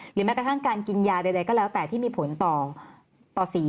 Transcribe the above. แม้กระทั่งการกินยาใดก็แล้วแต่ที่มีผลต่อสี